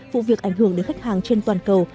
vụ việc ảnh hưởng đến khách hàng trên toàn cầu